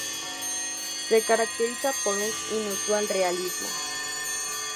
Se caracteriza por un inusual realismo.